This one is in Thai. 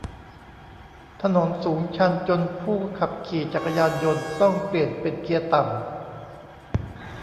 ถนนสูงชันจนผู้ขับขี่จักรยานยนต์ต้องเปลี่ยนเป็นเกียร์ต่ำ